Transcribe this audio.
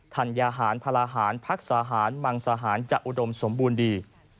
ัญญาหารพลาหารพักสาหารมังสาหารจะอุดมสมบูรณ์ดี